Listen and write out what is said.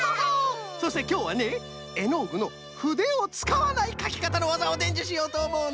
そしてきょうはねエノーグのふでをつかわないかきかたのわざをでんじゅしようとおもうの。